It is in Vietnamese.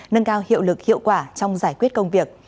nâng cao hiệu lực hiệu quả trong giải quyết công việc